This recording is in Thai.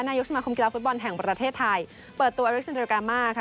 นายกสมาคมกีฬาฟุตบอลแห่งประเทศไทยเปิดตัวอริเซ็นเดอร์กามาค่ะ